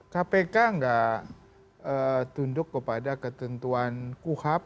kpk nggak tunduk kepada ketentuan kuhap